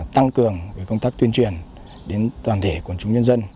tăng cường công tác tuyên truyền đến toàn thể quần chúng nhân dân